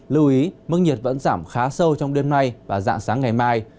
lưu ý mức nhiệt vẫn giảm khá sâu trong đêm nay và dạng sáng ngày mai